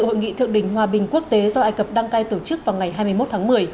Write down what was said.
hội nghị thượng đỉnh hòa bình quốc tế do ai cập đăng cai tổ chức vào ngày hai mươi một tháng một mươi